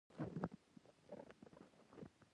• اور د سړو ژمو په اوږدو کې تودوخه رامنځته کړه.